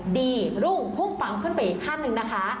รุ่งพุ่งฟังขึ้นไปอีกขั้นหนึ่งนะคะ